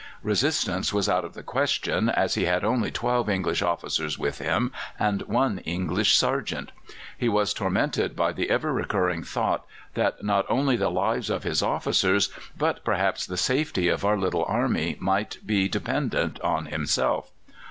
Resistance was out of the question, as he had only twelve English officers with him and one English sergeant. He was tormented by the ever recurring thought that not only the lives of his officers, but perhaps the safety of our little army, might be dependent on himself.